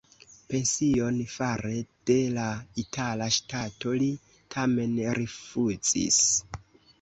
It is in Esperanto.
Pension fare de la itala ŝtato li tamen rifŭzis.